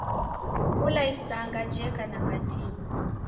Kula isanga jeka na katiba.